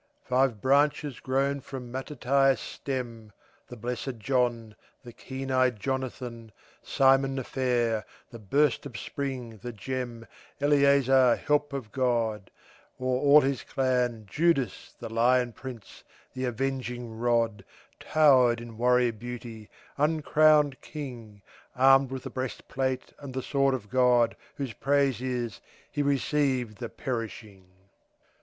Five branches grown from Mattathias' stem, The Blessed John, the Keen Eyed Jonathan, Simon the fair, the Burst of Spring, the Gem, Eleazar, Help of God; o'er all his clan Judas the Lion Prince, the Avenging Rod, Towered in warrior beauty, uncrowned king, Armed with the breastplate and the sword of God, Whose praise is: "He received the perishing."